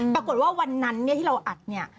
วันนั้นเนี่ยที่เราอัดเนี่ย